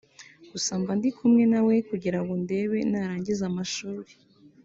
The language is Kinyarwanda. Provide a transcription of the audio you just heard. gusa mba ndi kumwe nawe kugira ngo ndebe narangiza amashuri